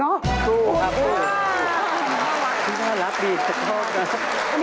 นี่น่ารักดีโทษนะ